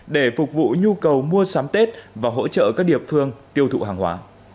để phục vụ nhu cầu mua sắm tết và hỗ trợ các địa phương tiêu thụ hàng hóa